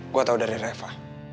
gue tau dari reva